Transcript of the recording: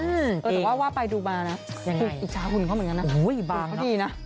เออแต่ว่าว่าไปดูมานะยังไงอิจฉาหุ่นเขาเหมือนกันนะโอ้โหอิจฉาหุ่นเขาดีนะ